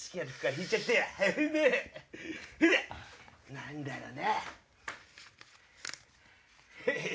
何だろうね？